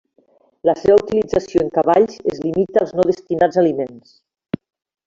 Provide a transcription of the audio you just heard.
La seva utilització en cavalls es limita als no destinats a aliments.